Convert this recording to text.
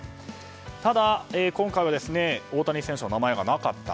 ただ、今回は大谷選手の名前がなかった。